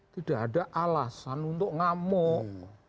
tidak ada alasan untuk ngamuk